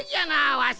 わし！